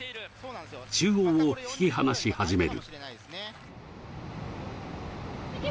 中央を引き離し始める。